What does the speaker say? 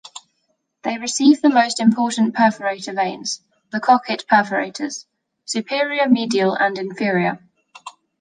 They receive the most important perforator veins: the Cockett perforators, superior, medial and inferior.